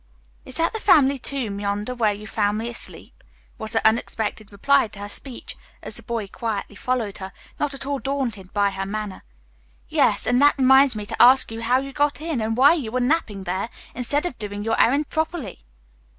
"Is that the family tomb yonder, where you found me asleep?" was the unexpected reply to her speech, as the boy quietly followed her, not at all daunted by her manner. "Yes, and that reminds me to ask how you got in, and why you were napping there, instead of doing your errand properly?"